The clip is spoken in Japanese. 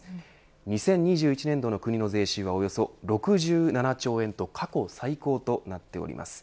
２０２１年度の国の税収はおよそ６７兆円と過去最高となっております。